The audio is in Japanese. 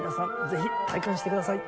ぜひ体感してください。